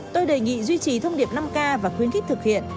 tôi đề nghị duy trì thông điệp năm k và khuyến khích thực hiện